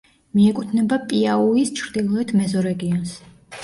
მიეკუთვნება პიაუის ჩრდილოეთ მეზორეგიონს.